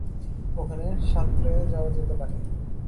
ওখানে সাঁতরে যাওয়া যেতে পারে।